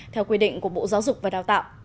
theo quy định của bộ giáo dục và đào tạo